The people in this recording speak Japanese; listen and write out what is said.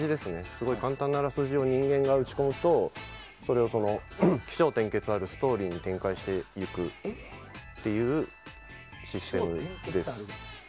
すごい簡単なあらすじを人間が打ち込むとそれを起承転結あるストーリーに展開していくというシステムです。